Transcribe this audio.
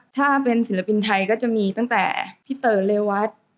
ถ้าเป็นศิลปินไทยก็จะมีตั้งแต่พี่เต๋อเรวัต